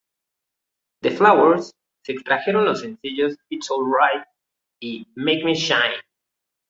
De "Flowers" se extrajeron los sencillos "It's Alright" y "Make Me Shine".